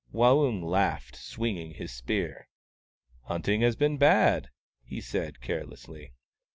Waung laughed, swinging his spear. " Hunting has been bad," he said, carelessly.